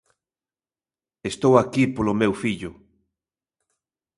Estou aquí polo meu fillo.